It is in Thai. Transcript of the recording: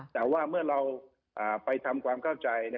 แต่ว่าเมื่อเราไปทำความเข้าใจ